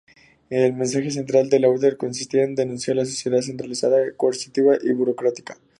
El mensaje central de Landauer consistía en denunciar la sociedad centralizada coercitiva y burocrática.